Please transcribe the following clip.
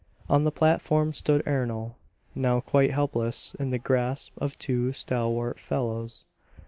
On the platform stood Ernol, now quite helpless in the grasp of two stalwart fellows.